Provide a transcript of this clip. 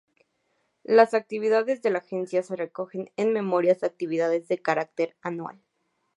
Las actividades de la Agencia se recogen en memorias de actividades de carácter anual.